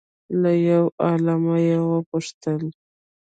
له یو عالمه یې وپوښتل